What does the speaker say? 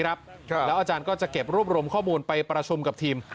แล้วอาจารย์ก็จะเก็บรวบรวมข้อมูลไปประชุมกับทีม